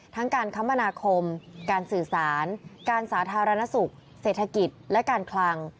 ทั้งการคมนาคมการสื่อสารการสาธารณสุขเศรษฐกิจและการคลัง